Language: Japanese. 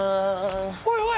おいおい！